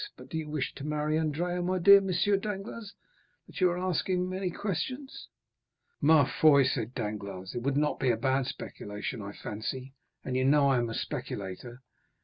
But do you wish to marry Andrea, my dear M. Danglars, that you are asking so many questions?" "Ma foi," said Danglars, "it would not be a bad speculation, I fancy, and you know I am a speculator."